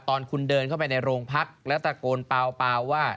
ตอนคุณเดินเข้าไปในโรงพักแล้วตะโกนเปล่าว่า